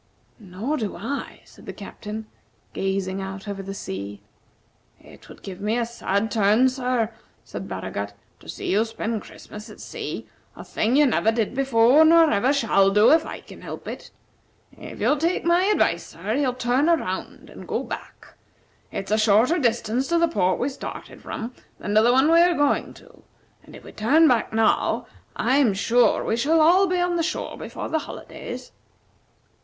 "Nor do I," said the Captain, gazing out over the sea. "It would give me a sad turn, sir," said Baragat, "to see you spend Christmas at sea; a thing you never did before, nor ever shall do, if I can help it. If you'll take my advice, sir, you'll turn around, and go back. It's a shorter distance to the port we started from than to the one we are going to, and if we turn back now, I am sure we all shall be on shore before the holidays."